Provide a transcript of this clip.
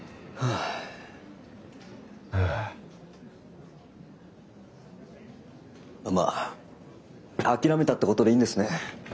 あっまあ諦めたってことでいいんですね？